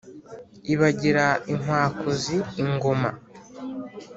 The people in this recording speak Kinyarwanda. ibagira inkwakuzi ingoma.